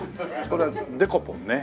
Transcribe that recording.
これはデコポンね。